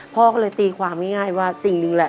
พ่อก็เลยตีความง่ายว่าสิ่งหนึ่งแหละ